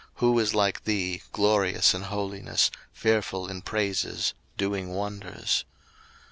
who is like thee, glorious in holiness, fearful in praises, doing wonders?